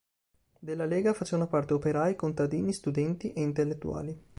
Della Lega facevano parte operai, contadini, studenti e intellettuali.